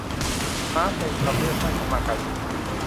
มาร์ก เป็นคำเรียกสั้นของมาการีน